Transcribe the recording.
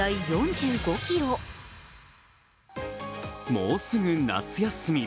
もうすぐ夏休み。